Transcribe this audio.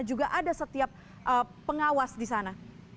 juga ada setiap pengawas di sana